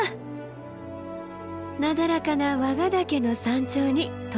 なだらかな和賀岳の山頂に到着！